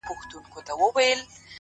ترڅو له ماڅخه ته هېره سې’